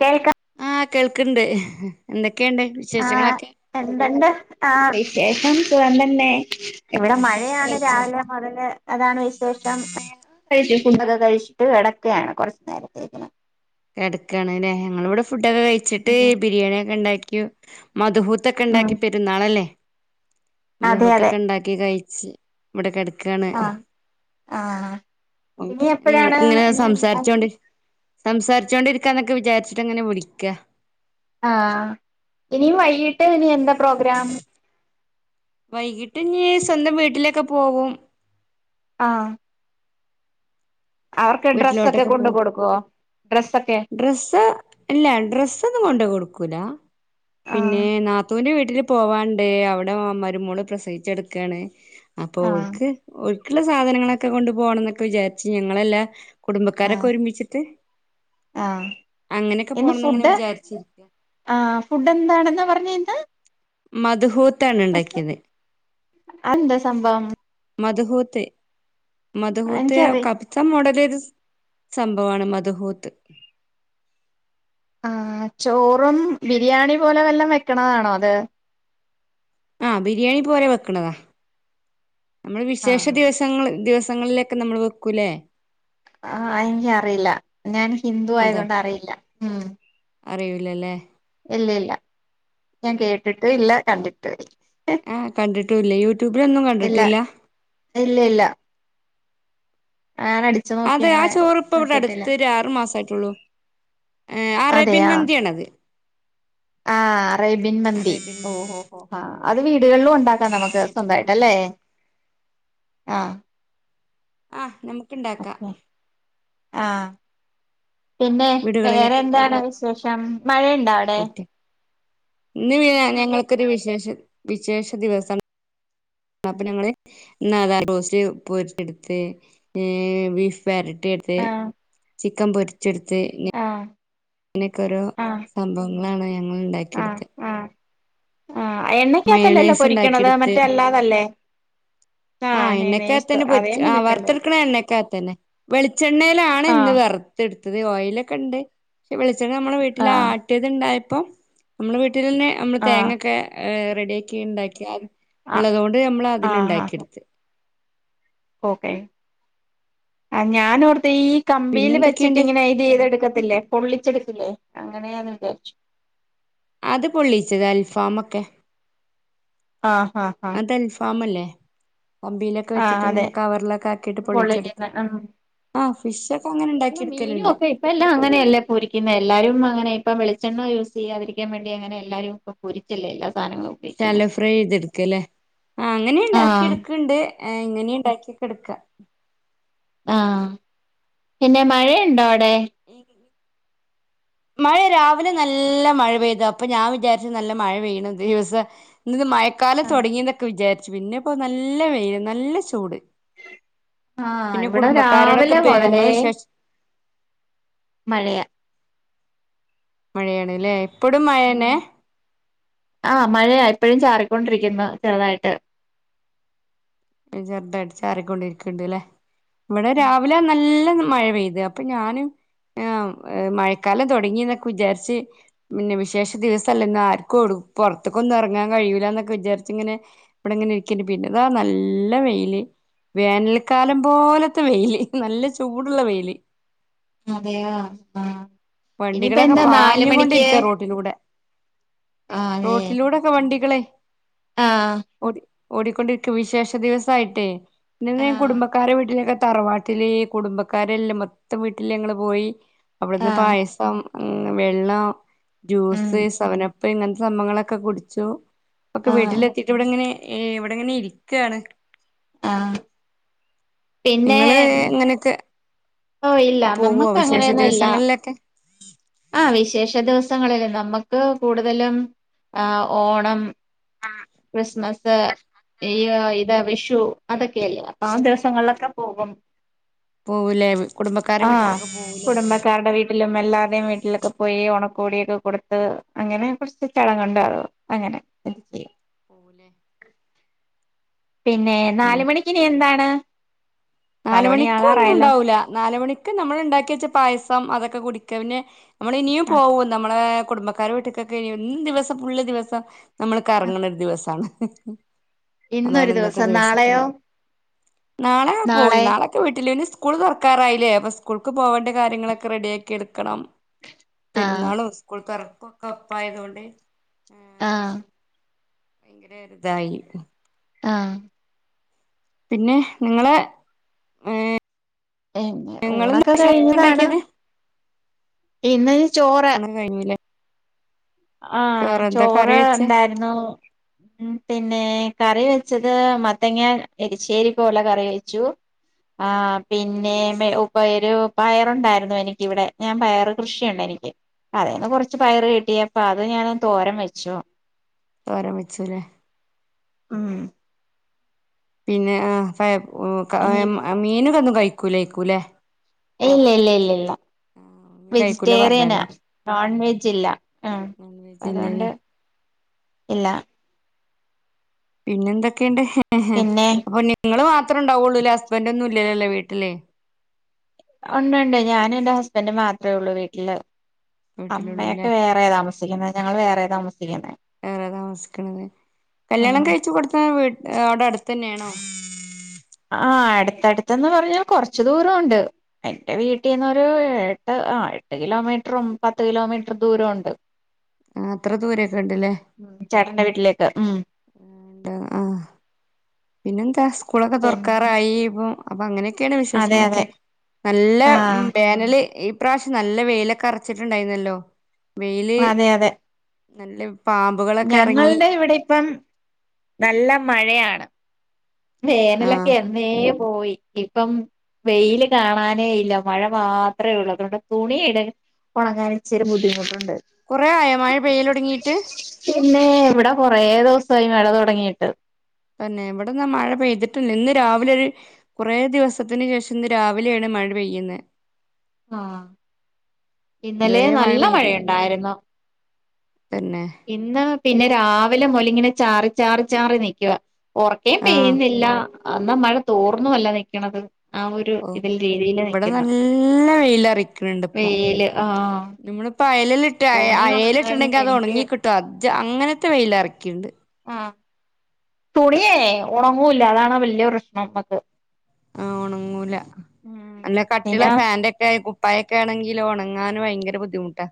കേൾക്ക ആഹ് കേൾക്ണ്ട് എന്തൊക്കെണ്ട് ആ എന്താണ്ട്‌ ആഹ വിശേഷം സുഖം തന്നെ ഇവിടെ ഭക്ഷണൊക്കെ മഴയാണ് കഴിച്ചോ രാവിലെ മുതല് അതാണ് വിശേഷം ഹെ കഴിച്ച ഫുണ്ടൊക്കെ കഴിച്ചിട്ട് കിടക്കുകയാണ് കുറച്ചു നേരത്തേക്ക്ന് കിടക്കയാണ്ല്ലേ ഞങ്ങളിവിടെ ഫുഡൊക്കെ കഴിച്ചിട്ട് ഉം ബിരിയാണി ഒക്കെ ഇണ്ടാക്കി മധൂഹു ത്തൊക്കെ ഉം ഇണ്ടാക്കി പെരുന്നാളല്ലേ അതെ അതെ മദ്ഹൂത്തൊക്കെ ഇണ്ടാക്കി കഴിച്ച് ഇവിടെ കെടകാണ് ആഹ് ആഹ് ഉം ഇനി എപ്പഴാണ് നിങ്ങക്ക് ഇങ്ങനെ ഇനി സംസാരിച്ചോണ്ട് സംസാരിച്ചുകൊണ്ടിരിക എന്നൊക്കെ വിചാച്ചിട്ട് ഇങ്ങനെ വിളിക്ക ആഹ ഇനി വൈകിട്ട് ഇനി എന്താ പ്രോഗ്രാം വൈകിട്ട് ഇനി സ്വന്തം വീട്ടിലൊക്കെ പോവും ആഹ് അവർക്ക് ഡ്രസ്സ് ഒക്കെ വീട്ടിലോട്ടൊക്കെ കൊണ്ട് പോവും കൊടുക്കുവോ ഡ്രസ്സൊക്കെ ഡ്രസ്സ് ഇല്ല ഡ്രസ്സ് ഒന്നും കൊണ്ട് കൊടുക്കൂല പിന്നെ ആഹ് നാ ത്തൂന്റെ വീട്ടില് പോവാണ്ട് അവിടെ മരുമോള് പ്രസവിച്ചടക്കാണ് അപ്പൊ ആഹ് ഒക്ക് ഒല്ക്ക്ള്ള സാധനങ്ങളൊക്കെ കൊണ്ട് പോണം എന്നൊക്കെ വിചാരിച്ച് ഞങ്ങളെല്ലാ കുടുംബക്കാരൊക്കെ ആഹ് ഒരുമിച്ചിട്ട് ആഹ് അങ്ങനെയൊക്കെ പോണംന്ന് ങ്ങനെ വിചാരിച്ചെ ആ ഫുഡ് എന്താണെന്നാ പറഞ്ഞെ എന്താ മദ്ഹൂത്താണ് ണ്ടാക്കിയത് അതെന്താ സംഭവം മദ്ഹൂത്ത് മദ്ഹൂത്ത് എനിക്കറി കബ് സ മോഡലൊരു സംഭവമാണ് മദ്ഹൂത്ത് ആ ചോറും ബിരിയാണി പോലെ വെല്ലാം വെക്കണതാണോ അത് ആ ബിരിയാണി പോലെ വെക്കണതാ നമ്മൾ വിശേഷ ആഹ് ദിവസ സങ്ങൾ ദിവസങ്ങളിലൊക്കെ നമ്മൾ വെക്കൂല്ലേ ആഹ് എനിക്ക് അറിയില്ല ഞാൻ ഹിന്ദുവായത് കൊണ്ട് അറിയില്ല ഉം അറിയൂല്ലല്ലേ ഇല്ല ഇല്ല ഞാൻ കേട്ടിട്ട് ഇല്ല കണ്ടിട്ടൂല്ല ആഹ കണ്ടിട്ടൂല്ല യൂട്യൂബിലൊന്നും ഇല്ല കണ്ടിട്ടില്ല ഇല്ല ഇല്ല ആനടി അതെ ആ ചോറ് ഇപ്പ ഇവിടെ അടുത്ത് ഒരു ആറു മാസ ആട്ടുള്ളൂ ഹെ അറേബ്യൻ അതെയാ മന്തിയാണത് ആഹ് അറേബ്യൻ മന്തി അറേബ്യൻ ഓ മന്തി ഓ ഓ ഹാ അത് വീടുകളിലും ഉണ്ടാക്കാം നമുക്ക് അറേബ്യൻ മന്തി സ്വന്തമായിട്ടല്ലേ ആഹ ആഹ് നമ്മുക്ക്ണ്ടാക്കാം ഓക്കെ ആഹ് പിന്നെ വേറെ വീടുകളിലൊക്കെ ഉണ്ടാക്കി എന്താണ് എടുക്കാൻ പറ്റുന്ന വിശേഷം ഒരു അടിപൊളി മഴയുണ്ടോ അവിടെ ഐറ്റം ഇന്ന് പിന്നെ ഞങ്ങൾക്കൊരു വിശേഷ വിശേഷ ദിവസണ് അപ്പ ഞങ്ങൾ നാതാ റോസ്റ്റ് പോ എടുത്ത് ഹെ ബീഫ് വെരട്ടിയെട്ത്ത് ആഹ് ചിക്കം പൊര്ച്ച്ട് ത്ത് ഞ്ഞ്. ആഹ്. ങ്ങനെക്കോരോ ആഹ് സംഭവങ്ങളാണ് സംഭവങ്ങളാണ് ഞങ്ങൾ ണ്ടാക്കിട്ത്തെ. അ എണ്ണക്ക്യത്തല്ലല്ലോ മയോണൈസ് പൊരിക്ക്യണത് ഉണ്ടാക്കിയെടുത്ത് മറ്റെ അല്ലാതല്ലേ. ആഹ് നെയ്സ് എണ്ണക്ക്യകത്തന്നെ അതേ പൊര്ച്ച് ആഹ് കണ്ടിട്ടുണ്ട് വർത്ത്ട്ക്കെണെ എണ്ണേക്ക്യകത്തന്നെ. വെളിച്ചെണ്ണയിലാണ് ഇന്ന് ആഹ് വർ ത്ട്ത്തത് ഓയിലൊക്കെണ്ട് ശെ വെളിച്ചെണ്ണ നമ്മുടെ വീട്ടിലാ ആഹ് ട്ട്യത്ണ്ടായപ്പം നമ്മള് വീട്ടിലെന്നെ നമ്മള് ആഹ് തേങ്ങെക്കെ ഏ റെഡ്യാക്കി ണ്ടാക്കി ആ ള്ളതോണ്ട് ഞമ്മളതില് ആഹ് ആഹ് ണ്ടാക്കിട്ത്ത്. ഓക്കെ ആ ഞാനോർത്ത് ഈ പിന്നെ കമ്പിയില് എന്തൊക്കെയുണ്ട് വെച്ചിട്ടിങ്ങനെ ചെയ്തെടുക്കത്തില്ലേ പൊള്ളിച്ചെടുക്കില്ലേ അങ്ങനെയാന്ന് വിചാര്ച്ചു. അത് പൊള്ളീച്ചത് അൽഫാമൊക്കെ. ആഹാ ഹ. തൽഫാമല്ലേ കമ്പിയിലൊക്കെ ആഹ് വെച്ചിട്ട്ങ്ങനെ അതെ കവർലൊക്കാക്കിട്ട് പൊള്ളിക്കുന്ന പൊള്ളിച്ചെടുത്തിട്ടുണ്ട്. ഉം ആഹ് ഫിഷൊക്കെങ്ങനെ ണ്ടാക്കിട്ക്കല്ണ്ട്. പ്പയെല്ലാ അങ്ങനെയല്ലെ പൊരിക്ക്യുന്നെ എല്ലാരും അങ്ങനെ ഇപ്പം വെളെണ്ണ യൂസ് ചെയ്യാതിരിക്യാ വേണ്ടി അങ്ങനെ എല്ലാരും പ്പൊ. പൊരിച്ചല്ലേ എല്ലാ സാനങ്ങളും. ശാലോ ഫ്രൈ ചെയ്ത്ട്ക്ക ലേ ആ അങ്ങനി ആഹ് ണ്ടാക്കിട്ക്ക്ണ്ട്. ഏഹ് ങ്ങനി ണ്ടാക്ക്യൊക്കെട്ക്ക. ആഹ് പിന്നെ മഴയുണ്ടോ അവിടെ. ഏ. [unintelligible] മയ രാവിലെ നല്ല മഴ പെയ്തു അപ്പൊ ഞാ വിചാര്ച്ച് നല്ല മഴ പെയ്യണ ദിവസ. ന്ന്ത് മയക്കാലം ആഹ് തൊട്ങ്ങിന്നൊക്കെ വിചാര്ച്ച് പിന്നെപ്പോ നല്ല വെയില് നല്ല ചൂട്. ആഹ് പിന്നെ ഇവിടെ കുടുംബക്കാരോടൊക്കെ രാവിലെ പേ മുതലേ ഞങ്ങളെ വിശേഷ മഴയ. മഴയാണ്ലേ ഇപ്പടും മഴേന്നെ. ആഹ് മഴയ ഇപ്പഴും ചാറിക്കൊണ്ടിരിക്ക്യുന്നു ചെറുതായിട്ട്. എ ചെർതായിട്ട് ചാറിക്കൊണ്ടിരിക്ക്ണ്ട് ലെ ഇവിടെ രാവിലെ നല്ല മഴ പെയ്ത് അ പ്പ ഞാന് ആ എഹ് മഴക്കാലം തൊട്ങ്ങിന്നൊക്കെ വിചാര്ച്ച്. മിന്നെ വിശേഷ ദിവസല്ലന്ന് ആര്ക്കു ഒടു പൊർത്ത്ക്കൊന്നു എർങ്ങാൻ കഴിയൂലന്നൊക്കെ വിചാര്ച്ച്ങ്ങനെ. വടെങ്ങനെ ഇര്ക്കേനി പിന്നെതാ നല്ല ല്ല വെയില് വേനൽക്കാലം പോലത്തെ വെയില് നല്ല ചൂടുള്ള വെയില്. അതെയാ ആഹ് ഇനിയിപ്പെന്താ നാല്മണിക്ക്. തിലൂടെ റോട്ടിലൂടെക്കെ വണ്ടികളെ ആഹ് ഓടി ഓടിക്കൊണ്ടിരിക്കും വിശേഷ ദിവസായ്ട്ടേ പിന്നെന്ന് ആഹ് കുടുംബക്കാരെ വീട്ടിലൊക്കെ തറവാ ട്ടിലീ കുടുംബക്കാരെല്ലം മൊത്തം വീട്ടിൽ ഞങ്ങൾ പോയി അവിടുന്ന് ആഹ് പായസ സം ഉം വെള്ളം ഉം ജ്യൂസ് സെവനപ്പ് ഇങ്ങൻത്തെ സംഭവങ്ങളൊക്കെ കുടിച്ചു. പ്പൊക്കെ ആഹ് വീട്ടിലെത്തിയിട്ട് വടങ്ങനെ ഏഹ് വടങ്ങനെ ഇരിക്കാണ്. ആഹ്. നിങ്ങള് ഇങ്ങനെക്കെ. ഓ ഇല്ല നമ്മക്കങ്ങനെയൊന്നു ഇല്ല. ദിവസങ്ങളിലൊക്കെ ആഹ് വിശേഷ ദിവസങ്ങളില് നമ്മക്ക് കൂടുതലും. ആഹ് ഓണം ക്രിസ്മസ്. ഇയ്യോ ഇത വിഷു അതൊക്കെയല്ലേ അപ്പാദിവസങ്ങൾലൊക്കെ പോകും. പോവുലെ കുടുംബക്കാരെ വീട്ട്ക്കൊക്കെ പോവുലേ. ട്ടിലും എല്ലാവര്ടേം വീട്ടിലൊക്കെ പോയി ഒണക്കോടിയൊക്കെ കൊട്ത്ത് അങ്ങനെ കൊർച്ച് ചടങ്ങുണ്ടവു അങ്ങനെ. പോവൂലെ. പിന്നേ ആ നാല് മണിക്കിനി എന്താണ്. നാല് മണി നാലുമണിക്ക് ആകാറായല്ലോ ഒന്നുണ്ടാവൂല നാല് മണിക്ക് നമ്മള്ണ്ടാക്ക്യച്ച പായസം അതൊക്കെ കുടിക്ക പിന്നെ നമ്മളിനിയും ആഹ് പോവും നമ്മളെ കുടുംബക്കാരെ വീട്ടിക്കൊക്കെ എ ദിവസം ഫുള്ള് ദിവസം. നമ്മള് കർങ്ണരു ദിവസാണ്. അതാണ് ഇന്നൊരു ഇന്നത്തെ ദിവസം നാളെയോ ദിവസത്തില് നാളെ അതൊക്കെ വിട്ടില്ലേ ഇനി സ്കൂൾ തർക്കാറായില്ലേ അപ്പൊ സ്കൂൾക്ക് പോവണ്ട കാര്യങ്ങളൊക്കെ റെഡിയാക്കി എടുക്കണം ആഹ് പെരുന്നാളും സ്കൂൾ തൊറക്കും ഒക്കെപ്പൊ ഒപ്പായതോണ്ടേ ആഹ് ഭയങ്കര ഒരു ഇതായി ആഹ് പിന്നെ നിങ്ങളെ ഏഹ് എപിന്നെ ഊണൊക്കെ കഴിഞ്ഞതാണ് ഉണ്ടാക്കിയത് ഇന്നനി ചോറ് കഴിഞ്ഞില്ലേ ആഹ് എന്താ കറി വെച്ചേ ചോറ്ണ്ടായിരുന്നു ഉം പിന്നെ കറി വെച്ചത് മത്തങ്ങ എരിശ്ശേരി പോലെ കറി വെച്ചു ആഹ് പിന്നെ ടേ ഉപ്പേരു പയറുണ്ടായിരുന്നു എനിക്ക് ഇവിടെ ഞാൻ പയറ് കൃഷിയുണ്ടെനിക്ക് അതെന്ന് കൊറച്ച് പയറ് കിട്ടിയപ്പൊ അത് ഞാന് തോരം വെച്ചു തോരൻ വെച്ചുല്ലേ ഉം പിന്നെ ആഹ് ഫയം ഒ ക ഇനി മ മീനൊക്കെ ഒന്നും കഴിക്കുലേക്കുല്ലേ ഇല്ലല്ലല്ല ഇല്ല കഴിക്കൂല വെജിറ്റേറിയനാ പറഞ്ഞല്ലോ നോൺ വെജ് ഇല്ല ആഹ് നോൺ വെജ് അതൊണ്ട് ഇല്ലല്ലേ ഇല്ല പിന്നെ എന്തൊക്കെയുണ്ട് പിന്നെ അപ്പൊ നിങ്ങള് മാത്രണ്ടാവുള്ളൂല്ലേ ഹസ്ബന്റൊന്നും ഇല്ല്യല്ലൊല്ലേ വീട്ടില് ഉണ്ട് ഉണ്ട് ഞാനും എന്റെ ഹസ്ബന്റും മാത്ര ഒള്ളൂ വീട്ടില് അമ്മയൊക്കെ വീട്ടിലുള്ളൂല്ലേ വേറെ റെ താമസിക്കുന്നത് ഞങ്ങള് വേറെ താമസിക്കുന്നേ വേറെ താമസിക്കണത് കല്ല്യാണം ആഹ് കഴിച്ചു കൊടുതത്ത് വി അവിടെ അടുത്ത് തന്നെയാണോ ആഹ് അടുത്ത് അടുത്ത് എന്നു പറഞ്ഞാ കൊറച്ച് ദൂരണ്ട് എന്റെ വീട്ടിന്ന് ഒരു എട്ട് ആഹ് എട്ട് കിലോമീറ്ററും പത്ത് കിലോമീറ്ററും ദൂരോണ്ട് ആഹ് അത്ര ദൂരൊക്കെണ്ട്ലേ ഉം ചേട്ടന്റെ വീട്ടിലേക്ക് ഉം ഉം ന്താ ആഹ് പിന്നെന്താ സ്കൂള് ഒക്കെ തൊറക്കറായി ഇപ്പ അപ്പൊ അങ്ങനെ ക്കേണ് അതെ വിശേഷങ്ങളൊക്കെ അതെ നല്ല ആഹ് ബാ [unintelligible] ഈ പ്രാവശ്യം നല്ല വെയിലൊക്കെ അർച്ചിട്ട്ണ്ടായിന്നല്ലോ അതെ അതെ നല്ല പാമ്പ് ഞങ്ങളുടെ ഇവിടെ ഇപ്പം നല്ല മഴയാണ് ആഹ് വേനലൊക്കെ എന്നേ പോയി ഇപ്പം വെയില് കാണാനേ ഇല്ല മഴ മാത്രള്ളൂ അതു കൊണ്ട് തുണി ഇട ഒണങ്ങാൻ ഇച്ചിരി ബുദ്ധിമുട്ടുണ്ട് കൊറേ ആയൊ മഴ പെയ്യലൊടങ്ങിയിട്ട് പിന്നെ ഇവിടെ കൊറേ ദിവസമായി മഴ തൊടങ്ങിയിട്ട് തന്നെ എവിടന്നാ മഴ പെയ്തിട്ടില്ല ഇന്ന് രാവിലെ ഒരു കുറേ ദിവസത്തിനു ശേഷം ഇന്ന് രാവിലെയാണ് മഴ പെയ്യുന്നേ ആഹ് ഇന്നലേ ഇതുവരെ മഴ നല്ല പെയ്തി മഴയണ്ടായിരുന്നു തന്നെ ഇന്ന് പിന്നെ രാവിലെ മുതലിങ്ങനെ ചാറി ചാറി ചാറി നിക്കുവാ ഒറക്കേം ആഹ് പെയ്യുന്നില്ല അന്നാ മഴ തോർന്നു അല്ല നിക്ക്ണത് ഓഹ് ഇവിടെ നല്ല വെയില് അറിക്ക്ണുണ്ട് ഇപ്പൊ വെയില് ആഹ് ഞമ്മള് ഇപ്പ അയലിലിട്ട് തുണി അയലിട്ട്ണ്ടെങ്കി ഉണങ്ങാഞ്ഞിട്ട് അത് എനിക്ക് ഒണങ്ങി കിട്ടും അ അങ്ങനത്തെ വെയിലറിക്കിണ്ട് ആഹ് തുണിയേ ഒണങ്ങൂല്ല അതാണ് വല്ല്യ പ്രശ്നം നമ്മക്ക് ആഹ് ഒണങ്ങൂല ഉം നല്ല കട്ടിയുള്ള പിന്നെ ഫാന്റെ ഒക്കെ ആയാ കു പായൊക്കെ ആണെങ്കിലിൽ ഉണങ്ങാൻ ഭയങ്കര ബുദ്ധിമുട്ടാ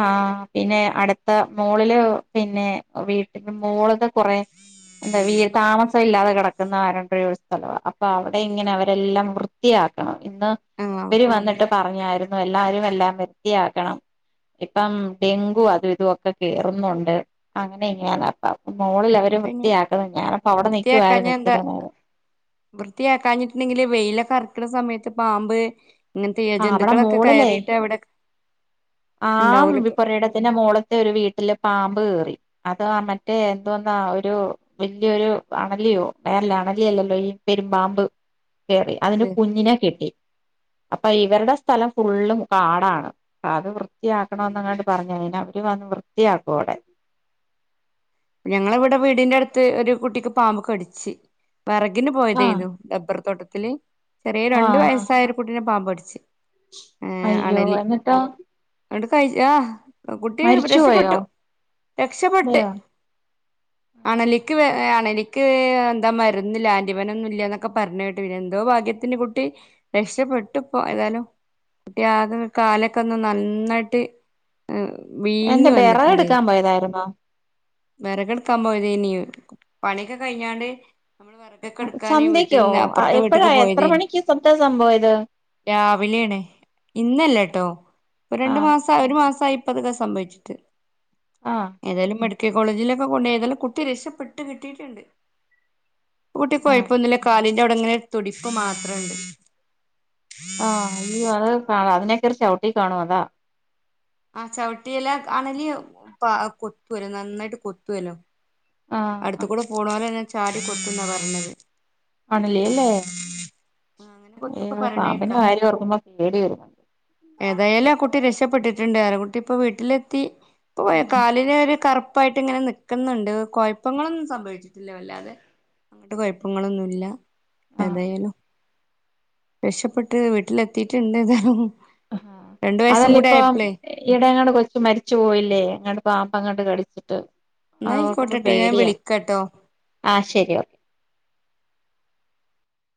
ആഹ് പിന്നെ അടുത്ത മോളില് പിന്നെ വീട്ടന്റെ മോളൊക്കെ കൊറെ എന്താ വീ താമസം ഇല്ലാതെ കിടക്കുന്ന ആരുണ്ട് ഒരു സ്ഥലവ അപ്പൊ അവിടെ ഇങ്ങനെ അവരെല്ലാം വൃത്തിയാക്കണം ഇന്ന് ആഹ് ഇവരി വന്നിട്ട് പറഞ്ഞായിരുന്നു എല്ലാവാരും എല്ലാം വൃത്തിയാക്കണം ഇപ്പം ഡെങ്കു അതും ഇതുംക്കെ കേയറുന്നുണ്ട് അങ്ങനെ ഇങ്ങാന അപ്പ മോളിൽ പിന്നെ വൃത്തിയാക്കുന്നത് ഞാനപ്പ അവിടെ നിക്കുമായിരുന്നു വൃത്തിയാക്കാഞ്ഞാ എന്താ ഇച്ചിരി നേരം വൃത്തിയാക്കാഞ്ഞിട്ടുണ്ടെങ്കില് വെയിലറക്കുന്ന സമയത്ത് പാമ്പ് ഇങ്ങനത്തെ ഇഴ ആ അവിടെ ജന്തുക്കളൊക്കെ കയറിയിട്ട് അവിടെ ഉണ്ടാവൂലോ ആഹ് പുറയിടത്തിന്റെ മോളത്തെ ഒരു വീട്ടില് പാമ്പ് കേറി അത് മറ്റേ എന്തോന്നാ ഒരു വലിയൊരു അണലിയോ [unintelligible] അണലിയല്ലല്ലോ ഈ പെരുമ്പാമ്പ് കേറി അതിന്റെ കുഞ്ഞിനെ കിട്ടി അപ്പൊ ഇവരുടെ സ്ഥലം ഫുള്ളും കാടാണ് അത് വൃത്തിയാക്കണ എന്നങ്ങാട്ട് പറഞ്ഞു കഴിഞ്ഞാ അവര് വന്ന് വൃത്തിയാക്കും അവിടെ ഞങ്ങളെ ഇവിടെ വീടിന്റെ അടുത്ത് ഒരു കുട്ടിക്ക് പാമ്പ് കടിച്ച് വിറകിന് ആഹ് പോയതായിരുന്നു റബ്ബർ തോട്ടത്തില് ചെറിയ രണ്ടു ആഹ് വയസ്സായരു കുട്ടീനെ പാമ്പ് കഠിച്ചു ഏഹ് അയ്യോ അണലി എന്നിട്ടോ അവടെ കഴ ആഹ് കുട്ടി മരിച്ചു പോയോ രക്ഷപ്പെട്ടു രക്ഷപെട്ട് അതെയോ അണലിക്ക് അണലിക്ക് എന്താ മരുന്നു അല്ല ആൻഡിവനൊന്നും ഇല്ല എന്നൊക്കെ പറഞ്ഞ് കേട്ട്ന്ന എന്തോ ഭാഗ്യ ത്തിന് കുട്ടി രക്ഷപപ്പെട്ടുപ്പോ ഏതാലും കുട്ടി ആകെ കാലൊക്കെ ഒന്ന് നന്നായിട്ട് വീങ്ങി വന്നിട്ടുണ്ടായിരുന്നു വരാതായിരുന്ന വിറക്കെടുക്കാൻ പോയത് എനി പണിയൊക്കെ കഴിഞ്ഞാണ്ട് നമ്മള് വിറ വട്ടൊക്കെ എടുക്കാന് വീട്ടിൽ സന്ധ്യക്കോ നിന്ന് അപ്പുറത്തെ എപ്പഴാ വീട്ടൊക്കെ എത്ര പോയതാനി മണിക്ക് സത്യ സംഭവം ഇത് രാവിലെയണേ ഇന്നല്ല കേട്ടോ രണ്ടു ആഹ് മാസം ഒരു മാസപ്പതൊക്കെ സംഭവിച്ചിട്ട് ആഹ് ഏതായാലും കോളേജിലൊക്കെ കൊണ്ട് ഏതൊലും കുട്ടി രക്ഷപ്പെട്ട് കിട്ടിട്ടുണ്ട് കുട്ടി ആഹ് കുഴപ്പമൊന്നുമില്ല കാലിൻ്റെ അവിടെ ഇങ്ങനെ തുടിപ്പ് മാത്രണ്ട് ആഹ് അയ അത് അതിനേക്കെറി ചവിട്ടി കാണും അതാ ആഹ് ചവിട്ടില്ല അണലി കൊത്തൊല്യൊ നന്നായിട്ട് കൊത്തുവല്യോ ആഹ് അടുത്ത് ആഹ് കൂടെ പോണലെന്നെ ചാടി കൊത്തുന്നാ പറഞ്ഞത് ആണല്ലില്ലേ അങ്ങനെ കൊത്തൊക്കെ ഏഹ് പറയണേക്കാ പാമ്പിൻ്റെ കാര്യം ഓർക്കുമ്പോ പേടി വരും ഏതായാലും ആഹ് കുട്ടി രക്ഷപ്പെട്ടിട്ടുണ്ട് ആഹ് കുട്ടി ഇപ്പം വീട്ടിലെത്തി കാലിന് ഒരു കറുപ്പായിട്ട് ഇങ്ങനെ നിക്കുന്നുണ്ട് കോ ഴപ്പങ്ങളൊന്നും സംഭവിച്ചിട്ടില്ല വല്ലാതെ അങ്ങോട്ട് കുഴപ്പങ്ങളൊന്നുമല്ല ആഹ് ഏതായാലും രക്ഷപ്പെട്ട് വീട്ടിലെത്തിട്ടുണ്ട് എതാലും ആഹ് അതല്ല ഇപ്പൊ ഈടെ അങ്ങോട്ട് കൊച്ച് മരിച്ചു പോയില്ലേ അങ്ങോട്ട് പാമ്പ് അങ്ങോട്ട് കടിച്ചിട്ട് അത് ഓർക്കുമ്പോ എന്നായിക്കോട്ടെട്ടോ ഞാൻ പേടിയാ വിളിക്കട്ടോ ആഹ് ശരി ഓക്കെ